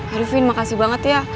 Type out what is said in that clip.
aduh vin makasih banget ya